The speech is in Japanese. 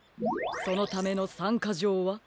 そのための３かじょうは？